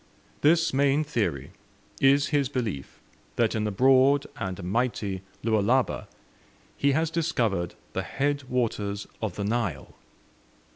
This main theory is his belief that in the broad and mighty Lualaba he has discovered the head waters of the Nile.